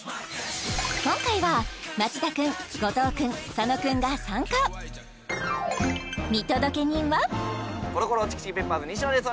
今回は松田君後藤君佐野君が参加見届け人はコロコロチキチキペッパーズ西野です